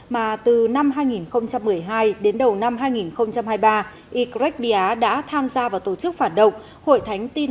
mà từ năm hai nghìn một mươi hai đến đầu năm hai nghìn hai mươi ba ycret bia đã tham gia vào tổ chức phản động hội thánh tin